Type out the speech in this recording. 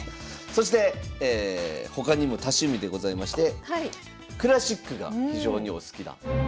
そして他にも多趣味でございましてクラシックが非常にお好きな。